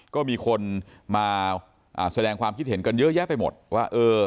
ก็มีคนมาแสดงความคิดเห็นกันเยอะแยะไปหมดว่าเออ